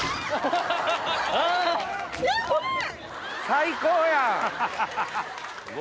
最高やん！